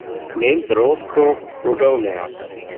He named the rose curve "rhodonea".